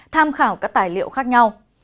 tham khảo các tài liệu khác nhau